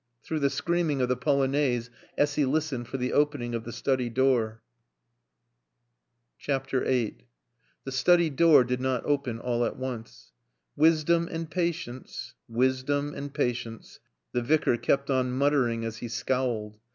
Through the screaming of the Polonaise Essy listened for the opening of the study door. VIII The study door did not open all at once. "Wisdom and patience, wisdom and patience " The Vicar kept on muttering as he scowled.